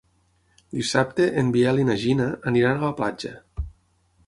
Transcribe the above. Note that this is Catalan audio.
Dissabte en Biel i na Gina aniran a la platja.